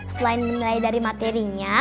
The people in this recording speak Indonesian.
selain menilai dari materinya